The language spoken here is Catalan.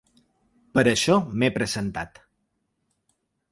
Per això m’he presentat.